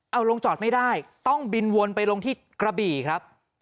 เอาลงจอดไม่ได้ต้องบินวนไปลงที่กระบี่ครับ